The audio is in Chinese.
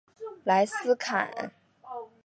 莱斯坎。